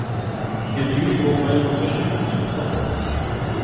His usual playing position is hooker.